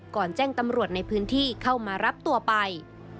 แจ้งตำรวจในพื้นที่เข้ามารับตัวไป